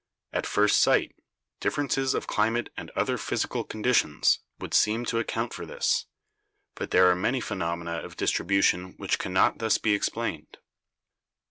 At first sight, differences of climate and other physical conditions would seem to ac 176 BIOLOGY count for this, but there are many phenomena of distribu tion which cannot thus be explained.